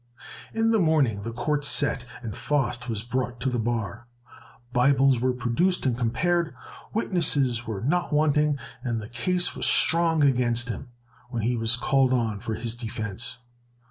In the morning the court set, and Faust was brought to the bar. [Illustration: SPECIMEN OF PSALTER, PSALM I.] Bibles were produced and compared, witnesses were not wanting, and the case was strong against him, when he was called on for his defense.